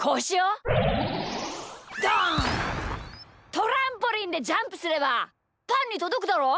トランポリンでジャンプすればパンにとどくだろ！？